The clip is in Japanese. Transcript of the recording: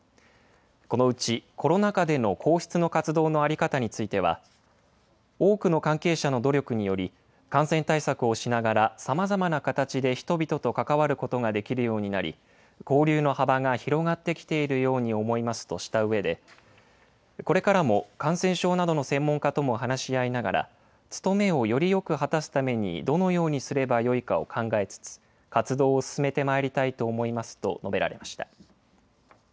このうちコロナ禍での皇室の活動の在り方については、多くの関係者の努力により、感染対策をしながらさまざまな形で人々と関わることができるようになり、交流の幅が広がってきているように思いますとしたうえで、これからも感染症などの専門家とも話し合いながら、務めをよりよく果たすためにどのようにすればよいかを考えつつ、活動を進めてまいりたいと思いますと述べられました。